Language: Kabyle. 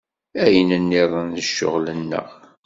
Ayen nniḍen d ccɣel-nneɣ.